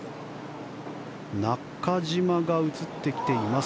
中島が映ってきています。